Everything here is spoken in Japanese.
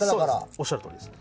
おっしゃるとおりです。